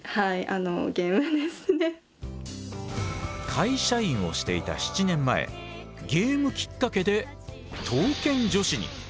会社員をしていた７年前ゲームきっかけで刀剣女子に。